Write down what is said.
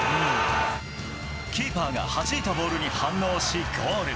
キーパーが弾いたボールに反応し、ゴール！